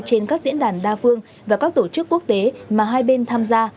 trên các diễn đàn đa phương và các tổ chức quốc tế mà hai bên tham gia